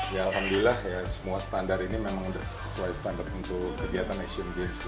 ya alhamdulillah ya semua standar ini memang sudah sesuai standar untuk kegiatan asian games